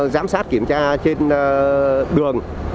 giám sát kiểm tra trên đường